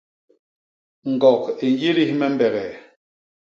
Ñgok i nyidis me mbegee.